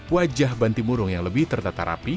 wajah bantimurung yang lebih tertata rapi